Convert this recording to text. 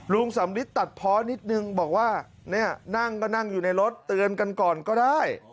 สำริทตัดเพาะนิดนึงบอกว่าเนี่ยนั่งก็นั่งอยู่ในรถเตือนกันก่อนก็ได้